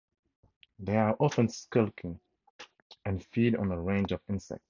They are often skulking, and feed on a range of insects.